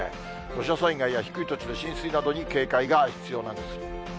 土砂災害や低い土地の浸水などに警戒が必要なんです。